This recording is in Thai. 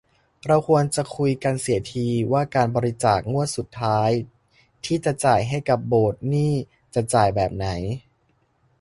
เราควรจะคุยกันเสียที ว่าการบริจาคงวดสุดท้ายที่จะจ่ายให้กับโบสถ์นี่จะจ่ายแบบไหน